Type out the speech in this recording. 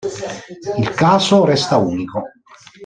Il caso resta unico.